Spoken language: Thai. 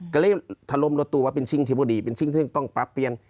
ก็เลยถลมรถตู้ว่าเป็นสิ่งที่ไม่ดีเป็นสิ่งที่ต้องปรับเปลี่ยน